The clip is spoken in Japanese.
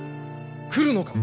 来るのか？